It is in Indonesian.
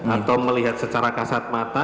atau melihat secara kasat mata